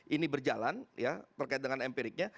ini berjalan ya terkait dengan empiriknya